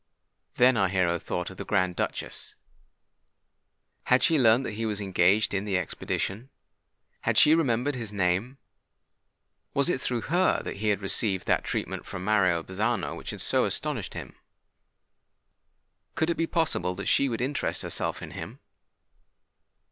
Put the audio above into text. Then our hero thought of the Grand Duchess. Had she learnt that he was engaged in the expedition? had she remembered his name? was it through her he had received that treatment from Mario Bazzano which had so astonished him? could it be possible that she would interest herself in him?